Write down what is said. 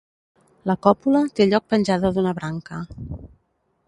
La còpula té lloc penjada d'una branca.